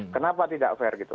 kenapa tidak fair gitu